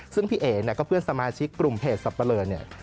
ซึ่งพี่เอ๋ก็เพื่อนสมาชิกกลุ่มเพจสับเปลือ